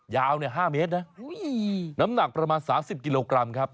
ยาว๕เมตรนะน้ำหนักประมาณ๓๐กิโลกรัมครับ